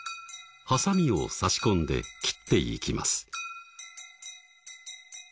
ハサミを挿し込んで切っていきます